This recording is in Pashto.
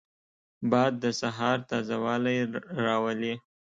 باد د سهار تازه والی راولي